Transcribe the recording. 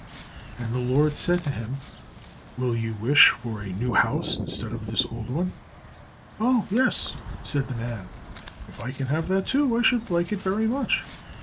And the Lord said to him, "Will you wish for a new house instead of this old one?" "Oh, yes," said the man; "if I can have that, too, I should like it very much."